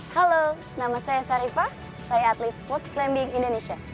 halo nama saya sarifah saya atlet sports climbing indonesia